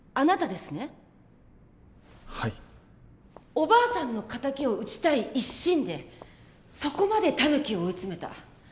おばあさんの敵を討ちたい一心でそこまでタヌキを追い詰めた。